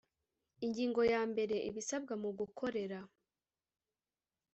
Ingingo ya mbere Ibisabwa mu gukorera